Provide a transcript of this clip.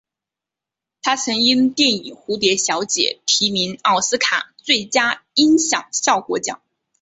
他曾因电影蝴蝶小姐提名奥斯卡最佳音响效果奖。